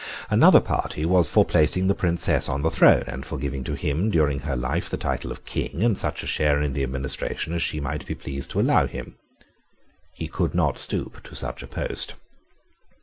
Another party was for placing the Princess on the throne, and for giving to him, during her life, the title of King, and such a share in the administration as she might be pleased to allow him. He could not stoop to such a post.